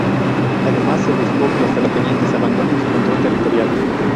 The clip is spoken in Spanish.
Además, se buscó que los terratenientes abandonen su control territorial.